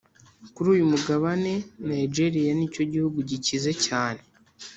kuri uyu mugabane nigeria nicyo gihugu gikize cyane